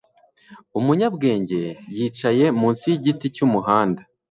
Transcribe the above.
umunyabwenge yicaye munsi yigiti cyumuhanda